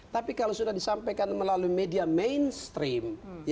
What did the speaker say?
tapi kalau sudah disampaikan melalui media mainstream